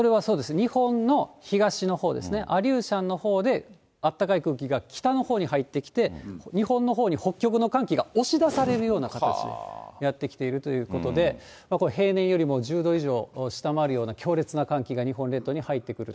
日本の東の方ですね、アリューシャンのほうであったかい空気が北のほうに入ってきて、日本のほうに北極の寒気が押し出されるような形でやって来ているということで、平年よりも１０度以上下回るような強烈な寒気が日本列島に入ってくると。